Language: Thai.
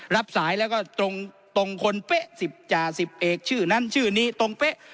รับสายแล้วก็ตรงคนเป๊ะ๑๐จ่าสิบเอกชื่อนั้นชื่อนี้ตรงเป๊ะ